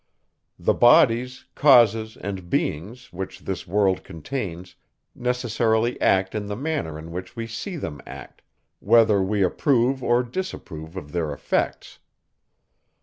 The bodies, causes, and beings, which this world contains, necessarily act in the manner in which we see them act, whether we approve or disapprove of their effects.